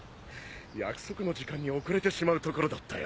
約束の時間に遅れてしまうところだったよ。